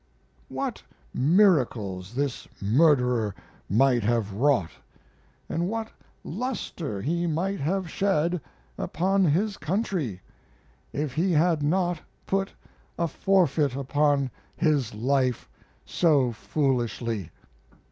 What miracles this murderer might have wrought, and what luster he might have shed upon his country, if he had not put a forfeit upon his life so foolishly!